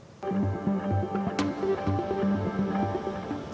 pertama anak anak yang tidak bisa berbenturan sungai